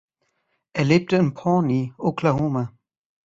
Er lebte in Pawnee, Oklahoma